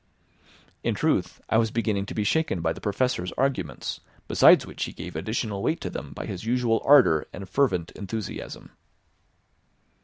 In truth, I was beginning to be shaken by the Professor's arguments, besides which he gave additional weight to them by his usual ardour and fervent enthusiasm.